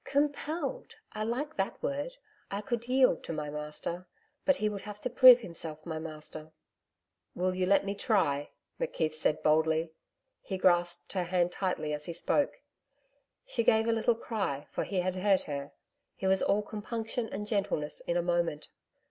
'Compelled! I like that word. I could yield to my master. But he would have to prove himself my master.' 'Will you let me try?' McKeith said boldly. He grasped her hand tightly as he spoke; she gave a little cry, for he had hurt her. He was all compunction and gentleness in a moment.